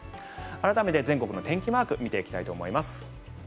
改めて全国の天気マーク見ていきたいと思います。